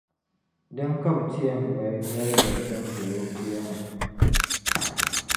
Dina ka bɛ yɛn ti mali nyεlgiri din be bɛ puya ni.